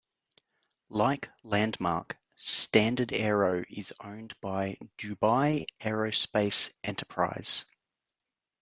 Like Landmark, StandardAero is owned by Dubai Aerospace Enterprise.